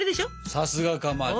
さすがかまど。